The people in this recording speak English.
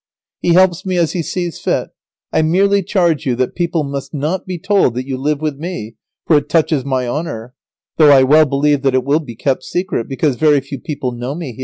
He helps me as He sees fit. [Sidenote: What touches the esquire's honour.] I merely charge you that people must not be told that you live with me, for it touches my honour; though I well believe that it will be kept secret, because very few people know me here."